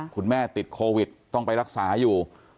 คุณแม่ติดโควิดต้องไปรักษาอยู่